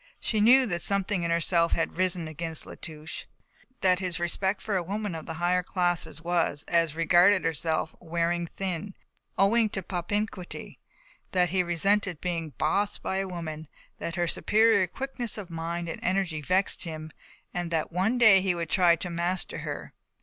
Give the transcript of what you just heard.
She knew that something in herself had risen against La Touche. She felt that his respect for a woman of the higher classes was, as regarded herself, wearing thin, owing to propinquity. That he resented being "bossed" by a woman, that her superior quickness of mind and energy vexed him and that one day he would try to master her.